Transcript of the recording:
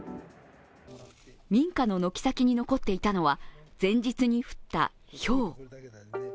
民家の軒先に残っていたのは前日に降ったひょう。